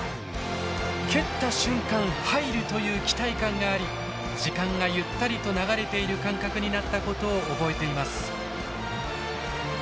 蹴った瞬間「入る」という期待感があり時間がゆったりと流れている感覚になったことを覚えています。